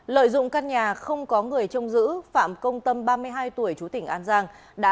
lợi dụng căn nhà không có người trông giữ phạm công tâm ba mươi hai tuổi chú tỉnh an giang đã